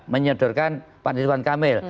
menyodorkan pak ridwan kamil